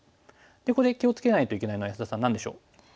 ここで気を付けないといけないのは安田さん何でしょう？